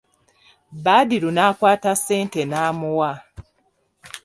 Badru n'akwata ssente n'amuwa.